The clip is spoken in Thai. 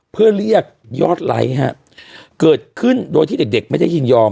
เพื่อเรียกยอดไลค์ฮะเกิดขึ้นโดยที่เด็กเด็กไม่ได้ยินยอม